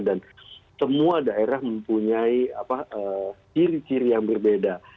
dan semua daerah mempunyai ciri ciri yang berbeda